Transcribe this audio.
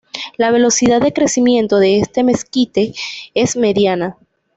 La velocidad de crecimiento de este mezquite es mediana.